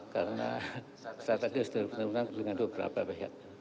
karena saya tadi sudah bertemu dengan dua berapa